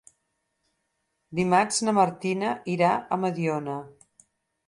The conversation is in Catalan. Dimarts na Martina irà a Mediona.